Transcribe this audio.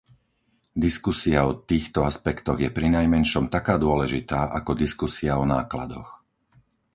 Diskusia o týchto aspektoch je prinajmenšom taká dôležitá ako diskusia o nákladoch.